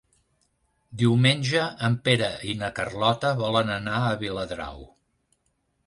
Diumenge en Pere i na Carlota volen anar a Viladrau.